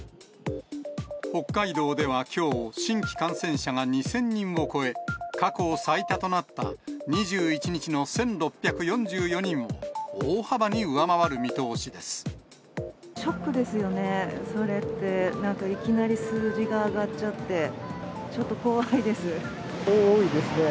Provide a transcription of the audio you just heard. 北海道ではきょう、新規感染者が２０００人を超え、過去最多となった２１日の１６４４人を、大幅に上回る見通しです。